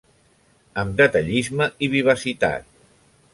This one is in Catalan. Amb detallisme i vivacitat.